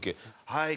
「はい！